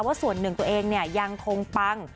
ส่วนหนึ่งตัวเองยังคงปัง